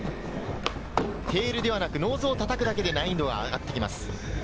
テールではなくノーズを叩くだけで、難易度が上がってきます。